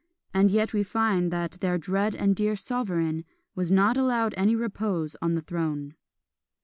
And yet we find that "their dread and dear sovereign" was not allowed any repose on the throne.